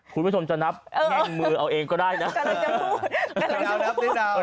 คุณผู้ชมจะนับเออแง่งมือเอาเองก็ได้น่ะกำลังจะพูดกำลังจะพูด